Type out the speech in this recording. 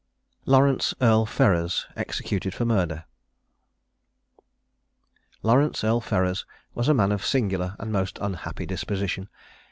LAURENCE, EARL FERRERS. EXECUTED FOR MURDER. Laurence, Earl Ferrers, was a man of singular and most unhappy disposition.